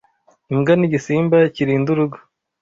Imbwa n'igisimba kirinda urugo